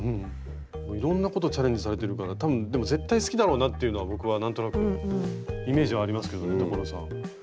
いろんなことチャレンジされてるから多分絶対好きだろうなっていうのは僕は何となくイメージはありますけどね所さん。